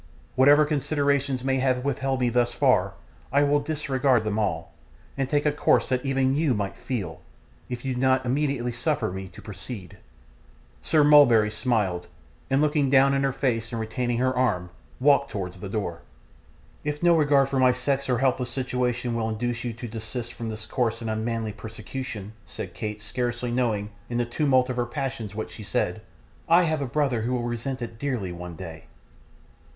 Whatever considerations may have withheld me thus far, I will disregard them all, and take a course that even YOU might feel, if you do not immediately suffer me to proceed.' Sir Mulberry smiled, and still looking in her face and retaining her arm, walked towards the door. 'If no regard for my sex or helpless situation will induce you to desist from this coarse and unmanly persecution,' said Kate, scarcely knowing, in the tumult of her passions, what she said, 'I have a brother who will resent it dearly, one day.